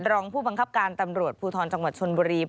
รองผู้บังคับการตำรวจภูทรจังหวัดชนบุรี